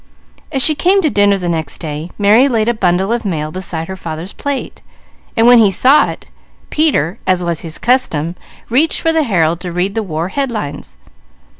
As she came to dinner the next day, Mary laid a bundle of mail beside her father's plate. When he saw it, Peter, as was his custom, reached for the Herald to read the war headlines.